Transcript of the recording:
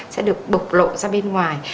sẽ được bộc lộ ra bên ngoài